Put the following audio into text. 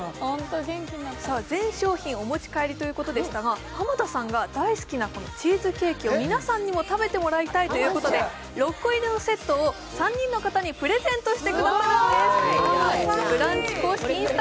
全商品お持ち帰りということでしたが、濱田さんが、大好きなチーズケーキを皆さんにも食べてもらいたいということで６個入りのセットを３人の方にプレゼントしてくださるんです。